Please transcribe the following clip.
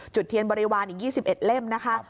จุดเทียนบริวารอีก๒๑เล่มนะคะ